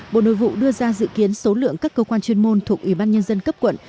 bộ nội vụ đưa ra dự kiến số lượng các cơ quan chuyên môn thuộc ủy ban nhân dân cấp quận